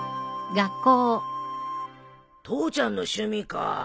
父ちゃんの趣味か。